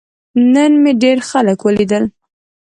نن مې ډیر خلک ولیدل.